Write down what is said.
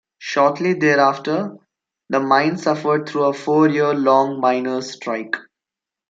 Shortly thereafter, the mine suffered through a four-year-long miners' strike.